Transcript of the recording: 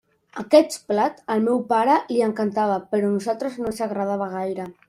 Aquest plat, al meu pare, li encantava, però a nosaltres no ens agradava gaire.